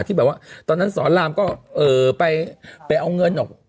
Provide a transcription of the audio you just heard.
ที่แบบว่าตอนนั้นสอนรามก็ไปเอาเงินออก